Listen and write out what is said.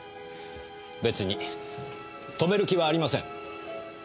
別に止める気はありません。